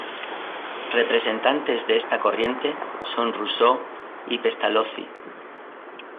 Representantes de esta corriente son Rousseau y Pestalozzi